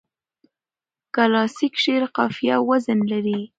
کلاسیک شعر قافیه او وزن لري.